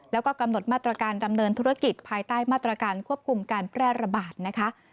แล้วก็กำหนดมาตรการดำเนินธุรกิจภายใต้มาตรการควบคุมการแพร่ระบาดนะคะ